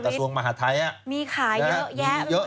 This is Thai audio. กระทรวงมหาทัย